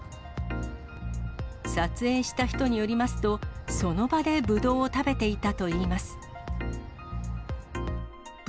撮影した人によりますと、その場でブドウを食べていたといいます。